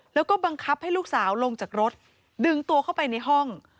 แล้วก็บังคับให้ลูกสาวลงจากรถดึงตัวเข้าไปในห้อง